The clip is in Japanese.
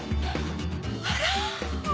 あら！